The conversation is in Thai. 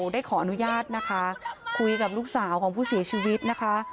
ได้ขออนุญาตนะคะคุยกับลูกสาวของผู้เสียชีวิตนะคะ